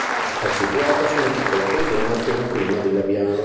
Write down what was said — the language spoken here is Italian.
È situata su di una piccola collina appena prima di Laviano.